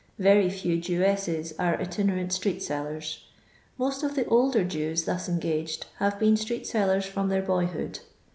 Very few Jewessea are itinennt atree^eeUers. Most of the older Jews thos engaged have been street seHen from their boyhood.